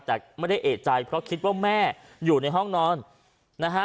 แต่ไม่ได้เอกใจเพราะคิดว่าแม่อยู่ในห้องนอนนะฮะ